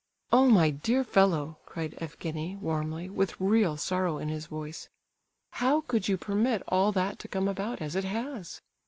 "Oh, my dear fellow," cried Evgenie, warmly, with real sorrow in his voice, "how could you permit all that to come about as it has?